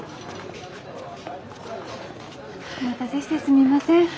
お待たせしてすみません。